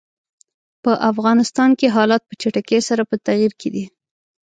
په افغانستان کې حالات په چټکۍ سره په تغییر کې دي.